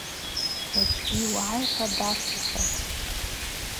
Уачӏвгьи угӏай – хӏва дгӏасыхӏватӏ.